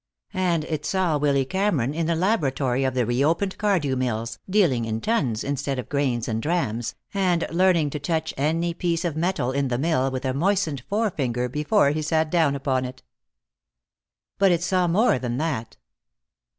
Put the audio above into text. And it saw Willy Cameron in the laboratory of the reopened Cardew Mills, dealing in tons instead of grains and drams, and learning to touch any piece of metal in the mill with a moistened fore finger before he sat down upon it. But it saw more than that.